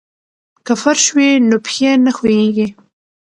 که فرش وي نو پښې نه ښویېږي.